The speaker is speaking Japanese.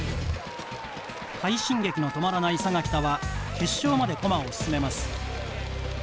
快進撃の止まらない佐賀北は決勝まで駒を進めます。